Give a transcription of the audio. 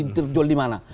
terjual di mana